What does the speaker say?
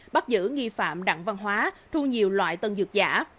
bắt giữ nghi phạm đặng văn hóa thu nhiều loại tân dược giả